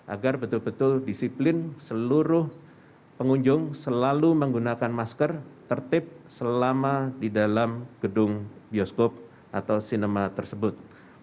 agar betul betul disiplin seluruh pengunjung selalu menggunakan masker tertib selama di dalam gedung bioskop atau sinema tersebut